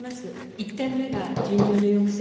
１点目が人流の抑制。